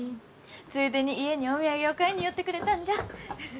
ついでに家にお土産を買いに寄ってくれたんじゃ。